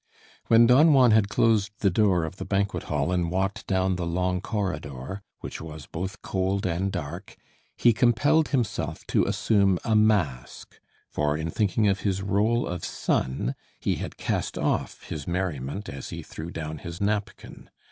When Don Juan had closed the door of the banquet hall and walked down the long corridor, which was both cold and dark, he compelled himself to assume a mask, for, in thinking of his rôle of son, he had cast off his merriment as he threw down his napkin.